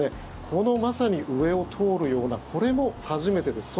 このまさに上を通るようなこれも初めてです。